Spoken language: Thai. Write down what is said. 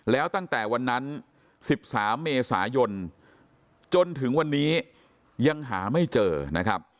แล้วตั้งแต่วันนั้น๑๓เมษายนจนถึงวันนี้ยังหาไม่เจอนะครับ